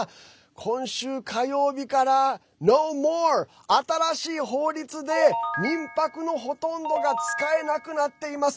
今週火曜日からｎｏｍｏｒｅ新しい法律で民泊のほとんどが使えなくなっています。